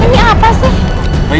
ini apa sih